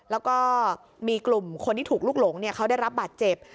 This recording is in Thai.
แล้วก็มีกลุ่มคนที่ถูกลุกหลงเขาได้รับบาดเจ็บ